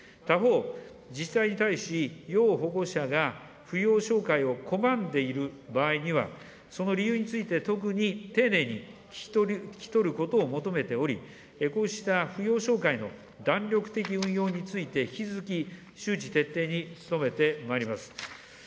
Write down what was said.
他方、自治体に対し要保護者が扶養照会を拒んでいる場合には、その理由について特に丁寧に聞き取ることを求めており、こうした扶養照会のだんりょく的運用について、引き続き周知、徹底に努めてまいります。